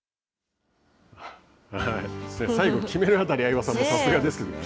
最後、決めるあたり相葉さんもさすがですけどね。